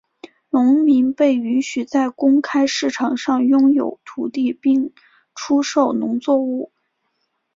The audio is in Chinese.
农民被允许在公开市场上拥有土地并出售农作物。